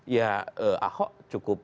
ya ahok cukup